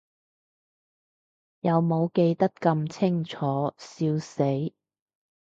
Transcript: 有無記得咁清楚，笑死